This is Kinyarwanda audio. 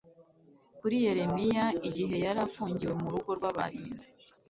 kuri yeremiya igihe yari afungiwe mu rugo rw abarinzi